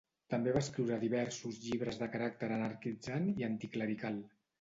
També va escriure diversos llibres de caràcter anarquitzant i anticlerical.